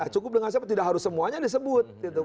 cukup dengan siapa tidak harus semuanya disebut